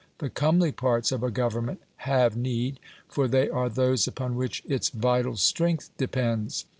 The comely parts of a Government HAVE need, for they are those upon which its vital strength depends.